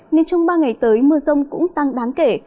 nên trong ba ngày tới mưa rông cũng tăng đáng kể